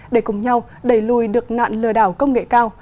để cùng nhau đẩy lùi được nạn lừa đảo công nghệ cao